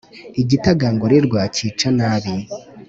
igitagangurirwa kica nabi,